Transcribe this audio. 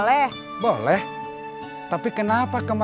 ya udah kita pulang dulu aja